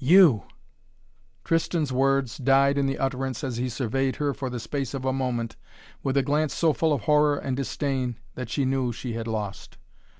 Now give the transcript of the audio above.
"You!" Tristan's words died in the utterance as he surveyed her for the space of a moment with a glance so full of horror and disdain that she knew she had lost.